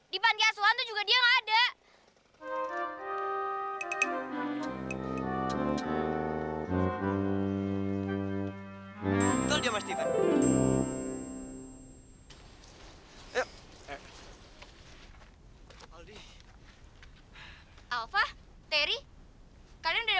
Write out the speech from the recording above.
di panti asuhan tuh juga dia gak ada